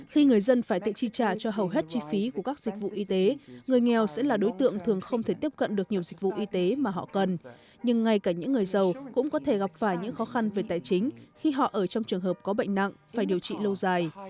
khi người dân phải tự chi trả cho hầu hết chi phí của các dịch vụ y tế người nghèo sẽ là đối tượng thường không thể tiếp cận được nhiều dịch vụ y tế mà họ cần nhưng ngay cả những người giàu cũng có thể gặp phải những khó khăn về tài chính khi họ ở trong trường hợp có bệnh nặng phải điều trị lâu dài